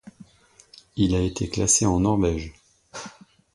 Il a été classé en Norvège.